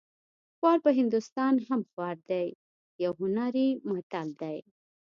خوار په هندوستان هم خوار دی یو هنري متل دی